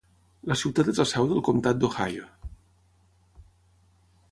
La ciutat és la seu del comptat d'Ohio.